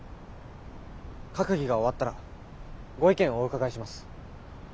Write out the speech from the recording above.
閣議が終わったらご意見をお伺いします。